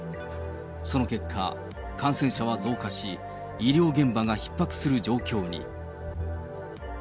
その結果、感染者は増加し、医療現場がひっ迫する状況に。